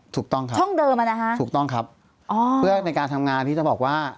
ถูกต้องครับช่องเดิมอ่ะนะฮะถูกต้องครับอ๋อเพื่อในการทำงานที่จะบอกว่า